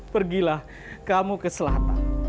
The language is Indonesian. pergilah kamu ke selatan